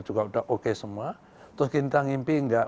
juga udah oke semua terus gintang impi enggak